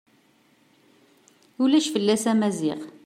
Ulac fell-as a Maziɣ.